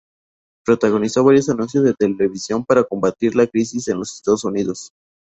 Protagonizó varios anuncios de televisión para combatir la crisis en los Estados Unidos.